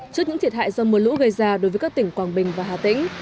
trước những thiệt hại do mưa lũ gây ra đối với các tỉnh quảng bình và hà tĩnh